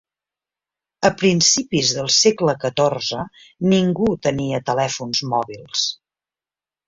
A principis del segle XIV, ningú tenia telèfons mòbils.